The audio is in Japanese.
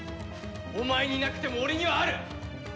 お前になくても俺にはある！